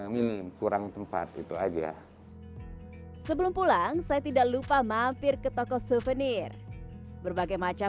minim kurang tempat itu aja sebelum pulang saya tidak lupa mampir ke toko souvenir berbagai macam